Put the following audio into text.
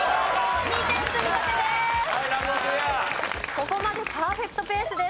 ここまでパーフェクトペースです。